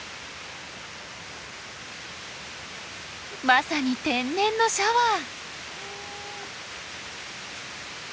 まさに天然のシャワー！